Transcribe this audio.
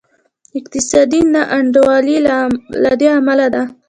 اقتصادي نا انډولي له دې امله ده.